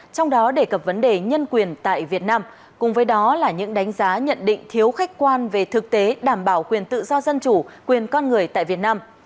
trong đó đề cập vấn đề nhân quyền tại việt nam cùng với đó là những đánh giá nhận định thiếu khách quan về thực tế đảm bảo quyền tự do dân chủ quyền con người tại việt nam